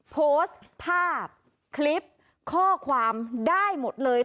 โพสต์ภาพคลิปข้อความได้หมดเลย